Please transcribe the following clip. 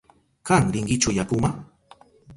¿Kan rinkichu yakuma?